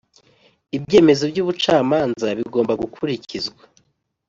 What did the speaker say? ibyemezo by ubucamanza bigomba gukurikizwa